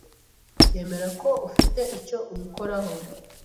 yemera ko ufite icyo ubikoraho.